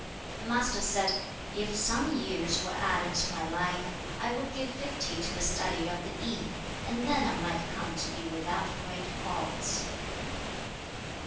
The Master said, 'If some years were added to my life, I would give fifty to the study of the Yi, and then I might come to be without great faults.'